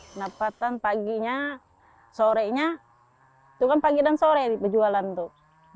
pendapatan paginya sorenya itu kan pagi dan sore berjualan tuh